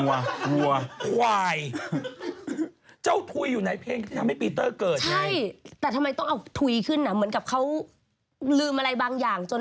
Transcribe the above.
อ้าวเจ้าอู้ต้องถุยอยู่ไหน